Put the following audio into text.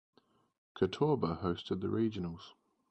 Catawba hosted the Regionals.